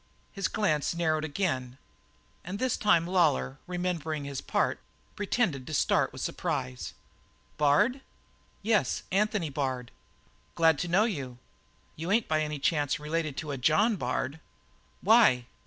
His glance narrowed again, and this time Lawlor, remembering his part, pretended to start with surprise. "Bard?" "Yes. Anthony Bard." "Glad to know you. You ain't by any chance related to a John Bard?" "Why?"